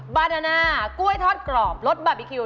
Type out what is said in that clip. บาดาน่ากล้วยทอดกรอบรสบาร์บีคิว